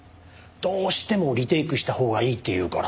どうしてもリテイクしたほうがいいって言うから。